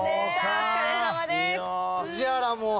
お疲れさまです。